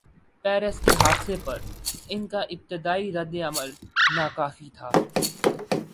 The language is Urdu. پیرس کے حادثے پر ان کا ابتدائی رد عمل ناکافی تھا۔